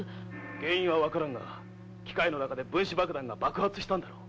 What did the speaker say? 原因は分からんが機械の中で分子爆弾が爆発したんだろう。